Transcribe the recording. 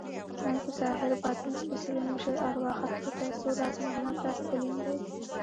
نن په ظاهر ، باطن سپیڅلي مشر، ارواښاد پروفیسر راز محمد راز تلين دی